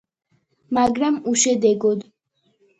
მაგრამ უშედეგოდ.